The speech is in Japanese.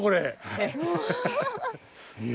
はい。